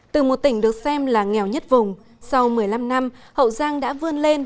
từ một tỉnh được xem là nghèo nhất vùng sau một mươi năm năm hậu giang đã vươn lên